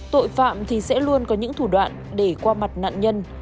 tội phạm thì sẽ luôn có những thủ đoạn để qua mặt nạn nhân